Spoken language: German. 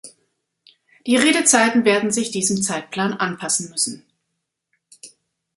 Die Redezeiten werden sich diesem Zeitplan anpassen müssen.